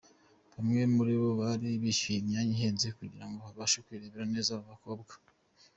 Bamwe muri bo bari bishyuye imyanya ihenze kugira ngo babashe kwirebera neza aba bakobwa.